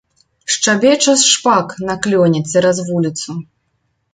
Шчабеча шпак на клёне цераз вуліцу.